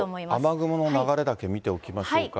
雨雲の流れだけ見ておきましょうか。